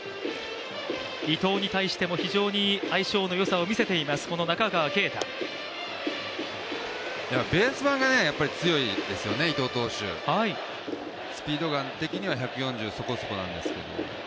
伊藤に対しも非常に相性の良さを出しています、この中川圭太ベースが強いですよね、伊藤投手、スピード的には１４０そこそこなんですけど。